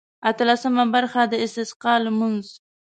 اتلسمه برخه د استسقا لمونځ.